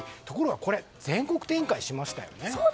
ところがこれ全国展開しましたよね。